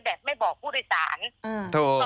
แบบไม่บอกผู้โดยสารถูก